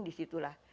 di situ lah